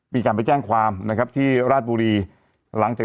มีการไปแจ้งความนะครับที่ราชบุรีหลังจาก